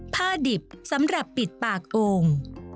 ดิบสำหรับปิดปากโอ่ง